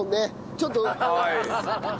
ちょっと。